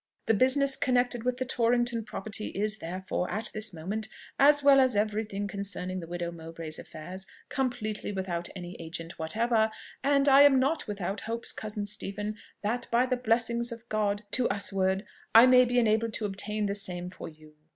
The business connected with the Torrington property is therefore at this moment, as well as every thing concerning the widow Mowbray's affairs, completely without any agent whatever; and I am not without hopes, cousin Stephen, that by the blessing of God to usward, I may be enabled to obtain the same for you.